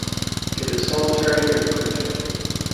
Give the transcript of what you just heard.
It is solitary and cryptic.